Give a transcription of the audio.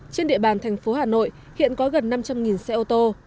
trên địa bàn thành phố hà nội hiện có gần năm trăm linh xe ô tô